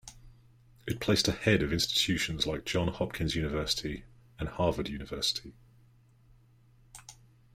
It placed ahead of institutions like Johns Hopkins University and Harvard University.